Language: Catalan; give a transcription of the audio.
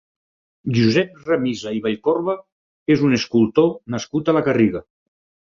Josep Ramisa i Vallcorba és un escultor nascut a la Garriga.